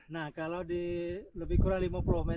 nah kalau di lebih kurang lima puluh meter